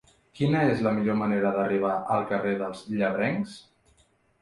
Quina és la millor manera d'arribar al carrer dels Llebrencs?